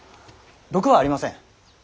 毒はありません。